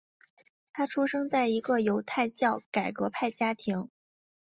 他出生在一个犹太教改革派家庭。